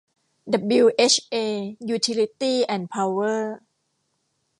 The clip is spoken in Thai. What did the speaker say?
ดับบลิวเอชเอ ยูทิลิตี้ส์ แอนด์ พาวเวอร์